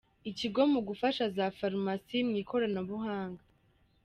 Ikigo mu gufasha za farumasi mu ikoranabuhanga